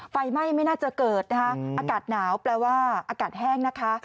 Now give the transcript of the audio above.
ไฟไหม้ไม่น่าจะเกิดนะคะอากาศหนาวแปลว่าอากาศแห้งนะคะ